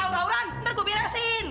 auran auran ntar gue beresin